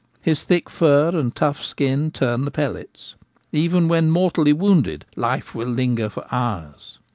His thick fur and tough skin turn the pellets. Even when mortally wounded, life will linger for hours.